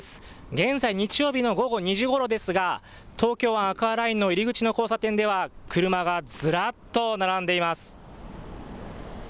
現在日曜日の午後２時ごろですが東京湾アクアラインの入り口の交差点では車がずらっと並んでいます。